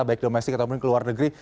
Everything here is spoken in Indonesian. baik domestik ataupun ke luar negeri